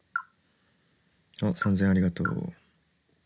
「あっ３，０００円ありがとう」